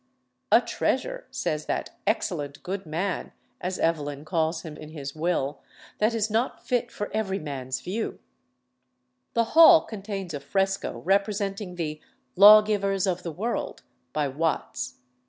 "a treasure," says that "excellent good man," as Evelyn calls him in his will, "that is not fit for every man's view." The hall contains a fresco representing the "Lawgivers of the World," by Watts.